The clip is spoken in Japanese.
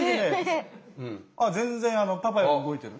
ああ全然パパより動いてる。